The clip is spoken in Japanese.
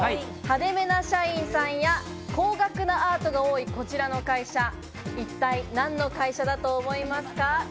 派手めな社員さんや高額なアートが多い、こちらの会社、一体何の会社だと思いますか？